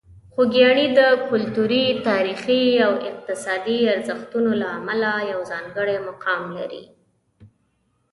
خوږیاڼي د کلتوري، تاریخي او اقتصادي ارزښتونو له امله یو ځانګړی مقام لري.